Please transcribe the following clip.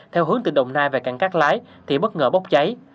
theo hướng từ đồng nai về cảng cát lái thì bất ngờ bốc cháy